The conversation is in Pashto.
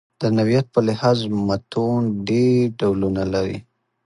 د نوعیت په لحاظ متون ډېر ډولونه لري.